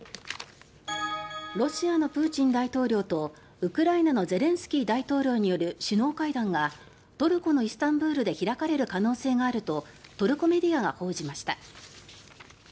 ロシアのプーチン大統領とウクライナのゼレンスキー大統領による首脳会談がトルコのイスタンブールで開かれる可能性があるとトルコメディアが報じました。